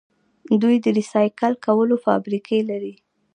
دوی د ریسایکل کولو فابریکې لري.